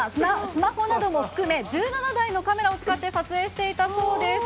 スマホなども含め、１７台のカメラを使って撮影していたそうです。